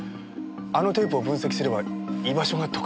あのテープを分析すれば居場所が特定出来ますか？